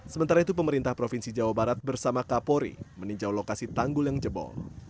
sementara itu pemerintah provinsi jawa barat bersama kapolri meninjau lokasi tanggul yang jebol